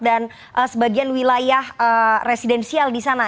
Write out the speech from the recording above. dan sebagian wilayah residensial di sana